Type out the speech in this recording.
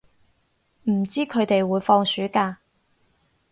唔知佢哋會放暑假